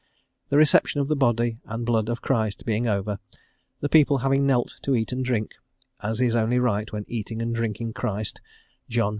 The reception of the Body and Blood of Christ being over, the people having knelt to eat and drink, as is only right when eating and drinking Christ (John vi.